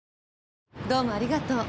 どうもありがとう。